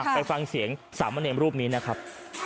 ไปฟังเสียง๓ประเด็นรูปนี้นะครับ